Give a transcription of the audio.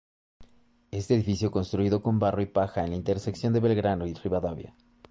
Este edificio construido con barro y paja en la intersección de Belgrano y Rivadavia.